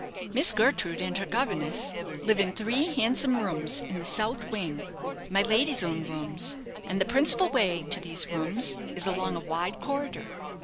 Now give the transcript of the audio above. Miss Gertrude and her governess live in three handsome rooms in the south wing my lady's own rooms and the principal way to these rooms is along a wide corridor.